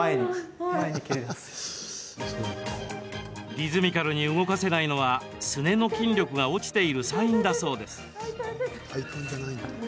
リズミカルに動かせないのはすねの筋力が落ちているサインだそうです。